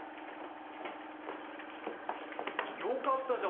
よかったじゃん。